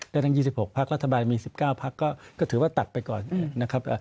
และตั้ง๒๖ภาครัฐบาลมี๑๙ภาคก็ถือว่าตัดไปก่อนนะครับ